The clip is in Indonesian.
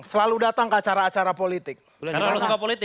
boleh tepuk tangan sekali untuk budi luhur